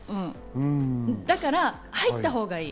だから入ったほうがいい。